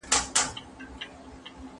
که ښځینه پولیسې وي نو تالاشي نه ستونزمن کیږي.